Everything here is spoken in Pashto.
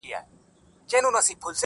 ما یې لمن کي اولسونه غوښتل!